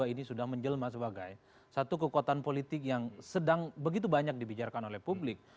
ini sudah menjelma sebagai satu kekuatan politik yang sedang begitu banyak dibiarkan oleh publik